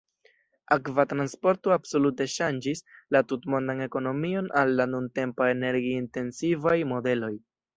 Akva transporto absolute ŝanĝis la tutmondan ekonomion al la nuntempa energi-intensivaj modeloj.